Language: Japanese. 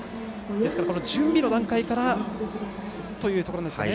ですから準備の段階からということでしょうか。